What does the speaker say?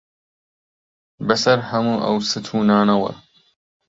بەسەر هەموو ئەو ستوونانەوە